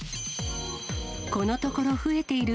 このところ増えている、